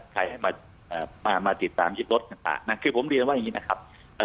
ใครมาติดตามที่รถต่างนะคือผมเรียนว่าอย่างนี้นะครับ